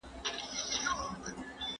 جورج ګوروویچ د ټولنې پر تنوع ټینګار کوي.